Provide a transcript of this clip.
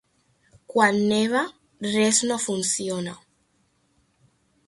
Quan neva res no funciona.